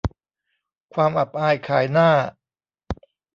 ความอับอายขายหน้า